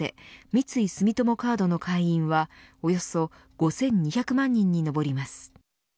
三井住友カードの会員はおよそ５２００万人に上ります。